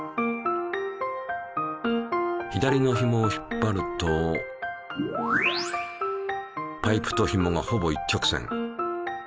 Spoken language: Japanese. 左のひもを引っ張るとパイプとひもがほぼ一直線。